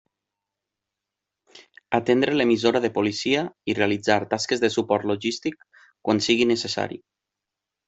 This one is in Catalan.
Atendre l'emissora de policia i realitzar tasques de suport logístic quan sigui necessari.